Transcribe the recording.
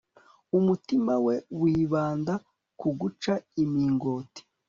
umutima we wibanda ku guca imingoti